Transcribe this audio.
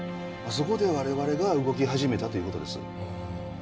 そこで我々が動き始めたという事です。